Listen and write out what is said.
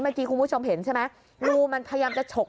เมื่อกี้คุณผู้ชมเห็นใช่ไหมรูมันพยายามจะฉก